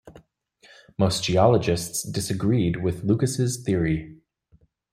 Most geologists disagreed with Lucas' theory.